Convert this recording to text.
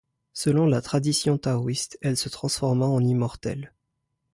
Selon la tradition taoïste elle se transforma en immortelle.